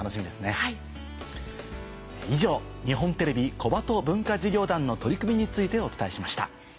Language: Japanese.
以上日本テレビ小鳩文化事業団の取り組みについてお伝えしました。